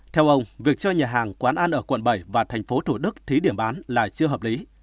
theo ông việc cho nhà hàng quán ăn ở quận bảy và tp thủ đức thí điểm bán lại chưa hợp lý